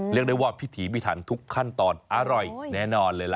เรียกได้ว่าพิถีพิถันทุกขั้นตอนอร่อยแน่นอนเลยล่ะ